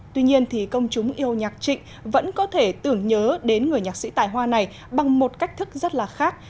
tuy nhiên thì công chúng yêu nhạc trịnh vẫn có thể tưởng nhớ đến người nhạc sĩ tài hoa này bằng một cách thức rất là khác